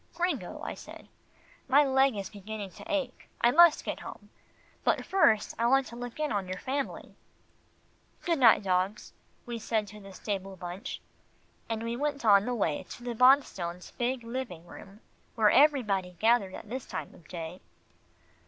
"Gringo," I said, "my leg is beginning to ache. I must get home, but first I want to look in on your family." "Good night, dogs," we said to the stable bunch, and we went on the way to the Bonstones' big living room, where everybody gathered at this time of day.